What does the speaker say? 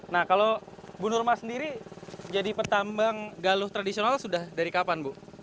nah kalau bu nurma sendiri jadi petambang galuh tradisional sudah dari kapan bu